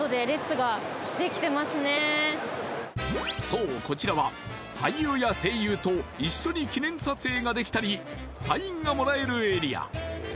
そうこちらは俳優や声優と一緒に記念撮影ができたりサインがもらえるエリア